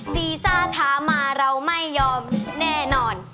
ซีซ่าถามมาเราไม่ยอมแน่นอน